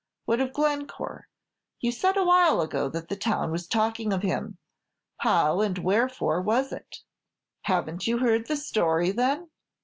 What of Glencore? You said awhile ago that the town was talking of him how and wherefore was it?" "Haven't you heard the story, then?"